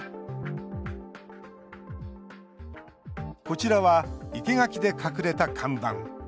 こちらは生け垣で隠れた看板。